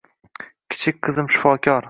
Kichik qizim shifokor.